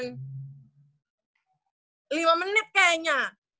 ada lima menit kayaknya